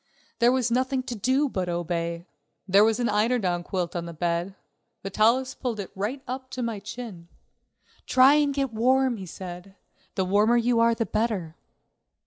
There was nothing to do but to obey. There was an eiderdown quilt on the bed. Vitalis pulled it right up to my chin. "Try and get warm," he said; "the warmer you are the better."